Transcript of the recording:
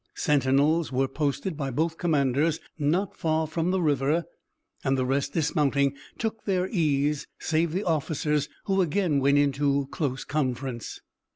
Sentinels were posted by both commanders not far from the river and the rest, dismounting, took their ease, save the officers, who again went into close conference.